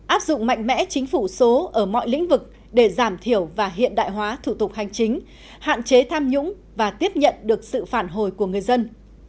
áp dụng mạnh mẽ chính phủ số ở mọi lĩnh vực để giảm thiểu và hiện đại hóa thủ tục hành chính hạn chế tham nhũng và tiếp nhận được sự phản hồi của người dân